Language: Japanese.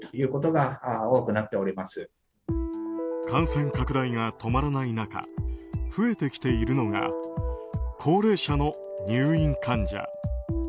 感染拡大が止まらない中増えてきているのが高齢者の入院患者。